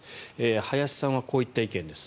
林さんはこういった意見です。